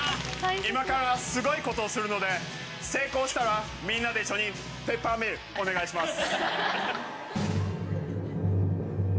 今からすごいことをするので成功したらみんなで一緒にペッパーミルお願いします。